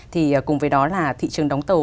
thì cùng với đó là thị trường đóng tàu